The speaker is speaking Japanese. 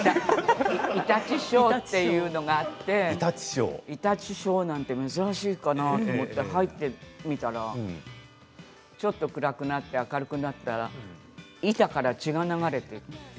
イタチショーというのがあって珍しいかなと思って入ってみたらちょっと黒くなって明るくなったら板から血が流れている。